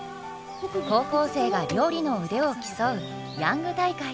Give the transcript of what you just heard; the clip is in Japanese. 高校生が料理の腕を競うヤング大会。